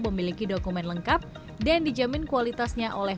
memiliki dokumen lengkap dan dijamin kualitasnya oleh